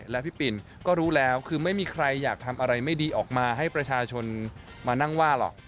และพี่ปินก็รู้แล้วคือไม่มีใครอยากทำอะไรไม่ดีออกมาให้ประชาชนมานั่งว่าหรอก